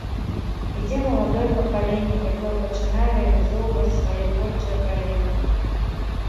Ідзе маладое пакаленне, якое пачынае рэалізоўваць свае творчыя праекты.